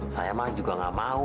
saya emang juga gak mau